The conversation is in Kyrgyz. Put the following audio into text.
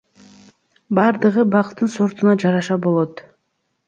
Бардыгы бактын сортуна жараша болот.